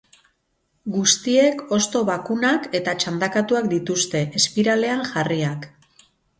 Guztiek hosto bakunak eta txandakatuak dituzte, espiralean jarriak.